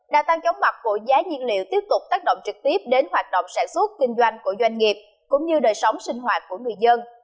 đa tăng chóng mặt của giá nhiên liệu tiếp tục tác động trực tiếp đến hoạt động sản xuất kinh doanh của doanh nghiệp cũng như đời sống sinh hoạt của người dân